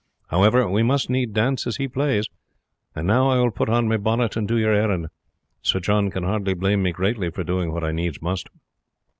However, we must needs dance as he plays; and now I will put on my bonnet and do your errand. Sir John can hardly blame me greatly for doing what I needs must."